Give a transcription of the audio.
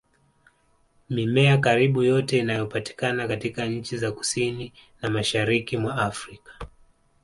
Mimea karibu yote inayopatikana katika nchi za Kusini na Mashariki mwa Afrika